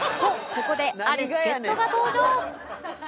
ここである助っ人が登場